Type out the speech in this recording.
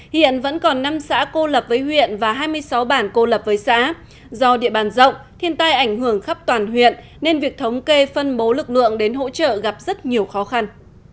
hiện vẫn còn năm xã cô lập với huyện và hai mươi sáu bản cô lập với xã do địa bàn rộng thiên tai ảnh hưởng khắp toàn huyện nên việc thống kê phân bố lực lượng đến hỗ trợ gặp rất nhiều khó khăn